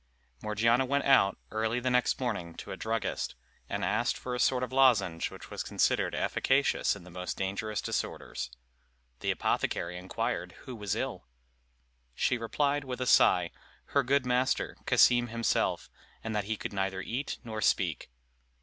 Morgiana went out, early the next morning to a druggist, and asked for a sort of lozenge which was considered efficacious in the most dangerous disorders. The apothecary inquired who was ill. She replied, with a sigh, Her good master, Cassim himself, and that he could neither eat nor speak.